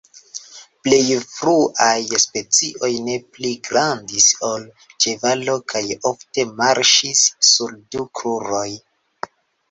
Plej fruaj specioj ne pli grandis ol ĉevalo kaj ofte marŝis sur du kruroj.